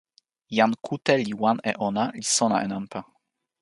jan kute li wan e ona, li sona e nanpa.